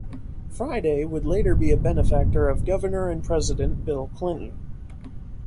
Friday would later be a benefactor of Governor and President Bill Clinton.